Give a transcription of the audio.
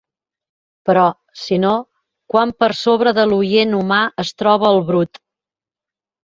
Però, si no, quant per sobre de l'oient humà es troba el brut!